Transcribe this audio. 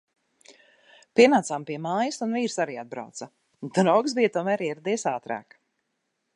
Pienācām pie mājas un vīrs arī atbrauca. Draugs bija tomēr ieradies ātrāk.